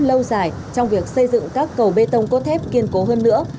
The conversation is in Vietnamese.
lâu dài trong việc xây dựng các cầu bê tông cốt thép kiên cố hơn nữa